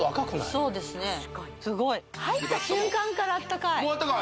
そうですねすごい入った瞬間からあったかいもうあったかい？